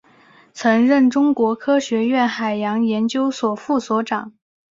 曾任中国科学院海洋研究所副所长。